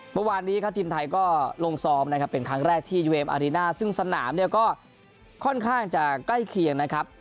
เมื่อวานนี้ครับทีมไทยก็ลงซ้อมนะครับเป็นครั้งแรกที่ยูเวมอารีน่าซึ่งสนามเนี่ยก็ค่อนข้างจะใกล้เคียงนะครับ